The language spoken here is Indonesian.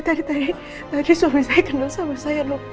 tapi tadi tadi suami saya kenal sama saya dok